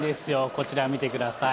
こちら、見てください。